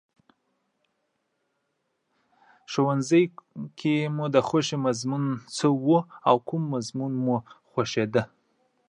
که د هيواد په اقتصادي وده او پرمختیا کې د ټولنيزو او طبيعي بيلا بيلو عواملو اغيزه په تېره بيا د صنايعو وده او پرمختګ کې وڅېړو ،وبه ليدل شيوبه ليدل شي چې د هيواد د صنعتي کیدو لپاره ډيره ښه زمينه شته،